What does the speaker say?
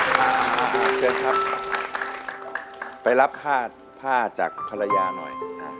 เชฟครับไปรับผ้าจากฮรยาหน่อย